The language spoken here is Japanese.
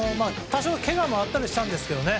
多少けがもあったりしたんですけどね。